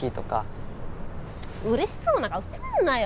チッ嬉しそうな顔すんなよ！